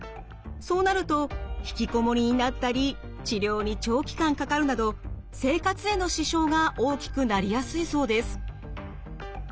そうなると引きこもりになったり治療に長期間かかるなど生活への支障が大きくなりやすいそうです。